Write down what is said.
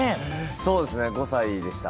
そうです、５歳でした。